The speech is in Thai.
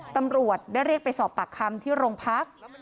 ตำรวจได้เรียกไปสอบปากคำที่โรงพัก